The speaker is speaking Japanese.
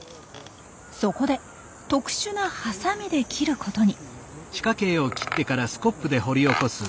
そこで特殊なハサミで切ることに。